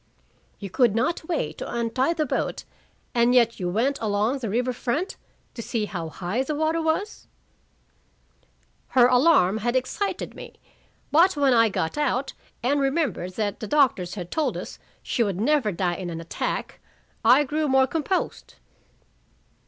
"You could not wait to untie the boat, and yet you went along the river front to see how high the water was?" "Her alarm had excited me. But when I got out, and remembered that the doctors had told us she would never die in an attack, I grew more composed."